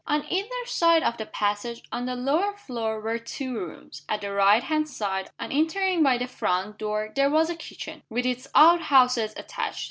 On either side of the passage, on the lower floor, were two rooms. At the right hand side, on entering by the front door, there was a kitchen, with its outhouses attached.